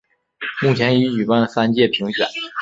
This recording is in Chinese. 目前已举办三届评选。